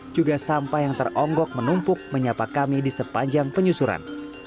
juga sampah yang teronggok menumpuk menyapa kami di sepanjang penyusuran